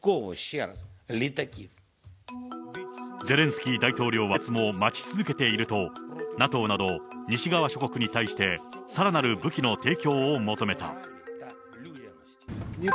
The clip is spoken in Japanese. ゼレンスキー大統領は、１か月も待ち続けていると、ＮＡＴＯなど、西側諸国に対してさらなる武器の提供を求めた。